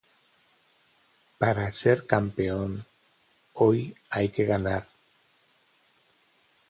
Para ser campeón, hoy hay que ganar.